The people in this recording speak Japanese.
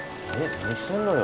何してんのよ。